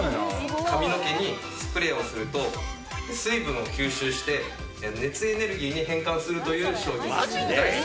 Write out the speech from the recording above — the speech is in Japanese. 髪の毛にスプレーをすると水分を吸収して熱エネルギーに変換するという商品です。